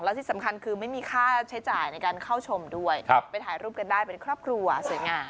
และที่สำคัญคือไม่มีค่าใช้จ่ายในการเข้าชมด้วยไปถ่ายรูปกันได้เป็นครอบครัวสวยงาม